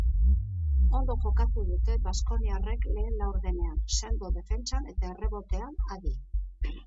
Ondo jokatu dute baskoniarrek lehen laurdenean, sendo defentsan eta errebotean adi.